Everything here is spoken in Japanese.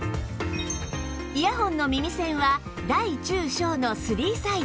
イヤホンの耳栓は大中小の３サイズ